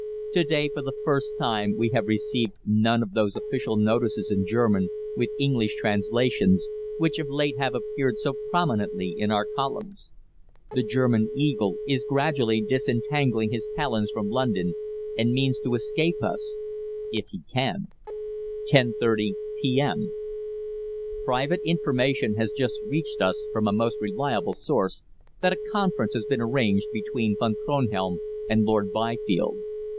To day for the first time we have received none of those official notices in German, with English translations, which of late have appeared so prominently in our columns. The German Eagle is gradually disentangling his talons from London, and means to escape us if he can." 10.30 P.M. "Private information has just reached us from a most reliable source that a conference has been arranged between Von Kronhelm and Lord Byfield.